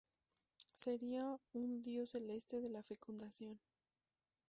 Sería un dios celeste de la fecundación.